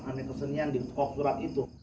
sama kesenian di kop surat itu